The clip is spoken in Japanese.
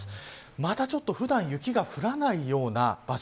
またちょっと、普段雪が降らないような場所